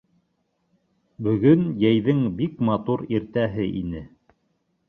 Бөгөн йәйҙең бик матур иртәһе ине.